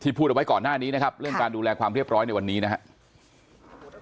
พูดเอาไว้ก่อนหน้านี้นะครับเรื่องการดูแลความเรียบร้อยในวันนี้นะครับ